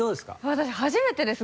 私初めてです